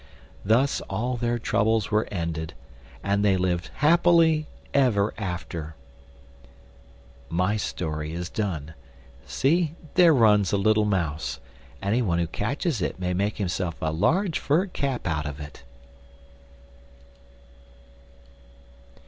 Thus all their troubles were ended, and they lived happily ever afterward. My story is done. See! there runs a little mouse; anyone who catches it may make himself a large fur cap out of it.